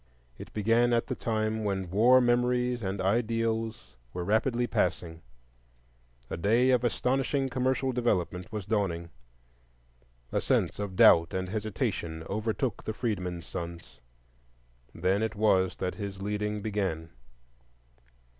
It began at the time when war memories and ideals were rapidly passing; a day of astonishing commercial development was dawning; a sense of doubt and hesitation overtook the freedmen's sons,—then it was that his leading began.